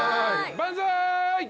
万歳！